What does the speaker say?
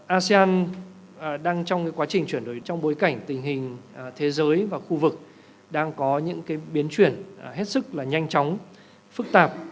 asean đang trong quá trình chuyển đổi trong bối cảnh tình hình thế giới và khu vực đang có những biến chuyển hết sức là nhanh chóng phức tạp